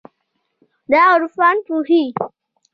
د عرفان اوپو هي